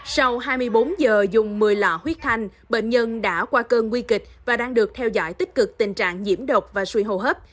sau hai mươi bốn giờ dùng một mươi lọ huyết thanh bệnh nhân đã qua cơn nguy kịch và đang được theo dõi tích cực tình trạng nhiễm độc và suy hồ hấp